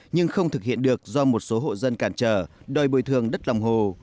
nhưng không thực hiện được do một số hộ dân cản trở đòi bồi thường đất lòng hồ